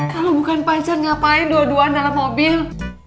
kalau bukan pacar ngapain dua duaan dalam mobil